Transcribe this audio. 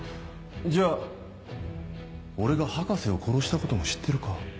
じゃあ俺が博士を殺したことも知ってるか？